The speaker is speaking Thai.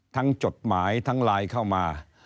จดหมายทั้งไลน์เข้ามา